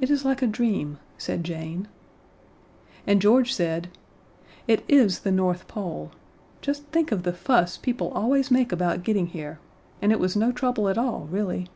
"It is like a dream," said Jane. And George said, "It is the North Pole. Just think of the fuss people always make about getting here and it was no trouble at all, really."